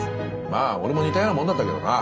まあ俺も似たようなもんだったけどな。